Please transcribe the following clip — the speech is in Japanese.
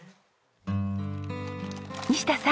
西田さん。